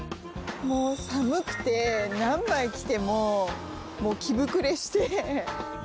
もう寒くて何枚着てももう着ぶくれして。